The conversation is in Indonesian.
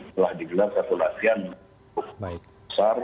telah digelar satu latihan cukup besar